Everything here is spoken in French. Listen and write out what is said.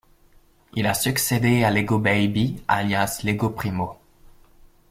Il a succédé à Lego Baby, alias Lego Primo.